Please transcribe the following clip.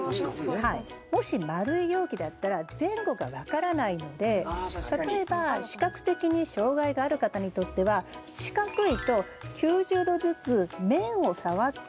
もし丸い容器だったら前後が分からないので例えば視覚的に障害がある方にとっては四角いと９０度ずつ面を触って動かすことができますよね。